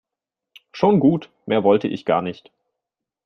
Schon gut, mehr wollte ich gar nicht.